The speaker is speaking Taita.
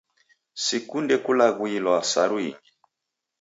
Sikunde kulaghuilwa saru ingi.